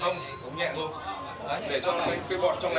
không không nhẹ không